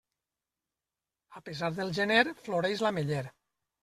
A pesar del gener floreix l'ametller.